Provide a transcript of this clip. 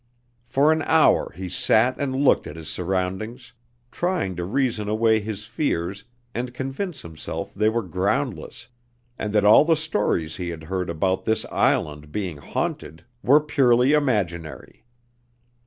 For an hour he sat and looked at his surroundings, trying to reason away his fears and convince himself they were groundless, and that all the stories he had heard about this island being haunted were purely imaginary.